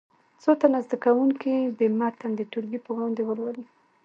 څو تنه زده کوونکي دې متن د ټولګي په وړاندې ولولي.